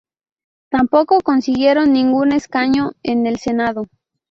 Tampoco consiguieron ningún escaño en el Senado.